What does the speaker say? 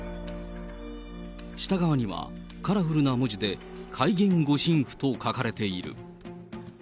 下側には、カラフルな文字でかいげん護身符と書かれている。